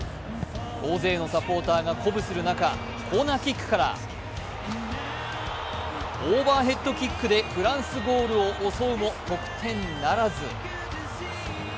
大勢のサポーターが鼓舞する中、コーナーキックからオーバーヘッドキックでフランスゴールを襲うも得点ならず。